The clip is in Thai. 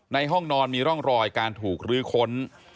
ห้องนอนมีร่องรอยการถูกลื้อค้น